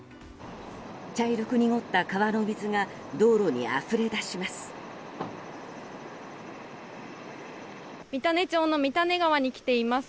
茶色く濁った川の水が道路にあふれ出します。